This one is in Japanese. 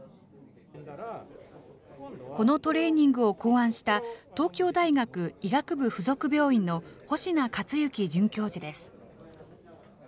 このトレーニングを考案した、東京大学医学部附属病院の保科克行准教授です。